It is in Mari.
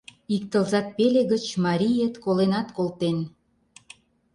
Ик тылзат пеле гыч мариет коленат колтен.